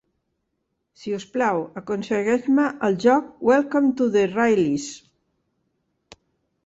Si us plau, aconsegueix-me el joc "Welcome to the Rileys".